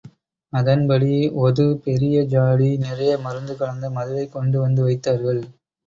அதன்படி ஒது பெரிய ஜாடி நிறைய மருந்து கலந்த மதுவைக் கொண்டு வந்து வைத்தார்கள்.